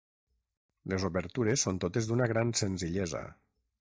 Les obertures són totes d'una gran senzillesa.